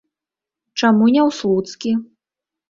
Чаму не ў слуцкі?